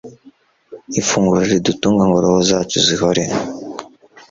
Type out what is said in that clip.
ifunguro ridutunga ngo roho zacu zihore